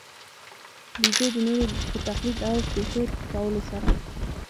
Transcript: بېزو د نورو په تقلید او پېښو کولو سره.